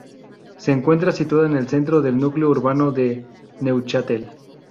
Se encuentra situada en el centro del núcleo urbano de Neuchâtel.